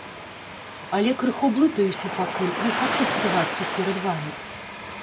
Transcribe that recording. Але крыху блытаюся пакуль, не хачу псаваць тут перад вамі.